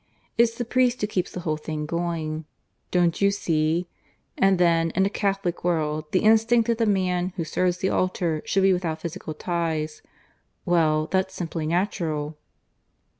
It's the priest who keeps the whole thing going. Don't you see? And then, in a Catholic world, the instinct that the man who serves the altar should be without physical ties well, that's simply natural."